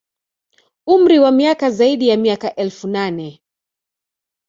Umri wa miaka zaidi ya miaka elfu nane